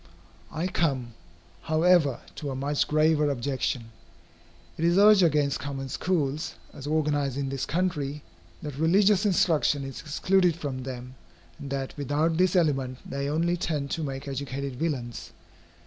I come, however, to a much graver objection. It is urged against common schools, as organized in this country, that religious instruction is excluded from them, and that without this element they only tend to make educated villains.